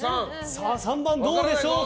３番はどうでしょうか。